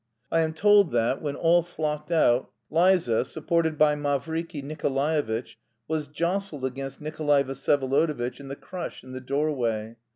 I am told that when all flocked out, Liza, supported by Mavriky Nikolaevitch, was jostled against Nikolay Vsyevolodovitch in the crush in the doorway.